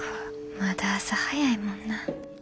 まだ朝早いもんな。